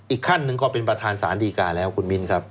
อีกขั้นหนึ่งก็เป็นประธานสารดีการแล้วคุณมิ้นครับ